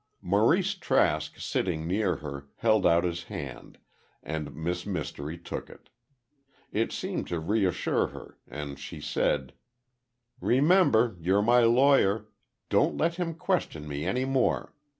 Maurice Trask sitting near her, held out his hand, and Miss Mystery took it. It seemed to reassure her, and she said, "Remember, you're my lawyer. Don't let him question me any more.